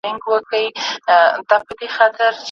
ما لیدلې د وزیرو په مورچو کي